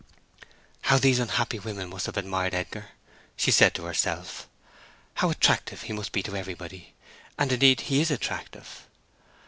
"How these unhappy women must have admired Edgar!" she said to herself. "How attractive he must be to everybody; and, indeed, he is attractive."